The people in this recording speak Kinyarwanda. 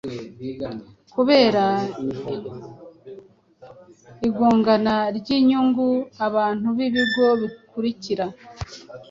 kubera igongana ry’inyungu, abantu n’ibigo bikurikira